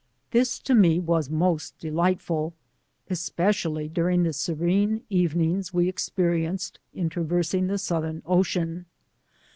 This to me was most delightful, especially during the serene evenings we experi enced in traversing the Southern Ocean.